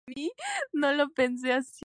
La acción se desarrolla en Formentera.